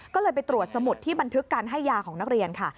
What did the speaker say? ก็เลยไปตรวจสมุดที่บันทึกการให้ยาของนักเรียนค่ะ